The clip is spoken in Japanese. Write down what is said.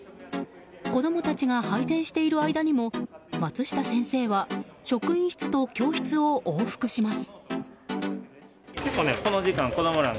子供たちが配膳している間にも松下先生は職員室と教室を往復します。